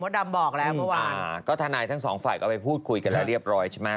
ดำบอกแล้วเมื่อวานก็ทนายทั้งสองฝ่ายก็ไปพูดคุยกันแล้วเรียบร้อยใช่ไหม